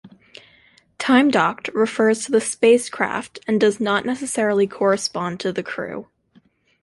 "Time docked" refers to the spacecraft and does not necessarily correspond to the crew.